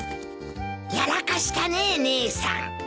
やらかしたね姉さん。